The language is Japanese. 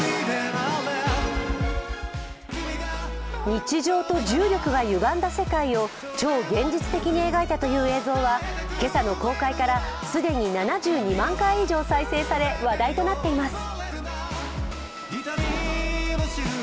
日常と重力がゆがんだ世界を超現実的に描いたという映像は今朝の公開から既に７２万回以上再生され、話題となっています。